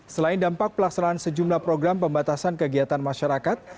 selain dampak pelaksanaan sejumlah program pembatasan kegiatan masyarakat